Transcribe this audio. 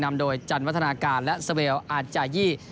นำโดยจันวัฒนาการและสเวลอาจายี่